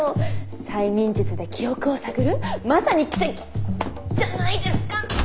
催眠術で記憶を探るまさに奇跡じゃないですかッ。